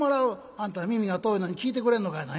「あんた耳が遠いのに聴いてくれんのかいな。